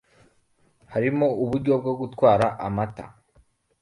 harimo uburyo bwo gutwara amata